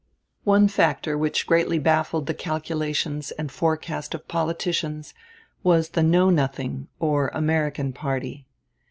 One factor which greatly baffled the calculations and forecast of politicians was the Know Nothing or American party.